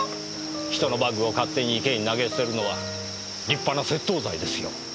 人のバッグを勝手に池に投げ捨てるのは立派な窃盗罪ですよ。